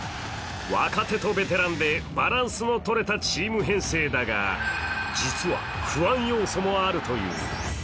若手とベテランでバランスのとれたチーム編成だが、実は、不安要素もあるという。